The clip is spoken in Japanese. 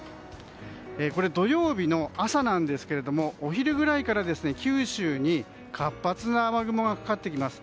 これは土曜日の朝なんですがお昼ぐらいから九州に活発な雨雲がかかってきます。